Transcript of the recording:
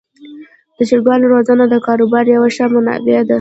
د چرګانو روزنه د کاروبار یوه ښه منبع ده.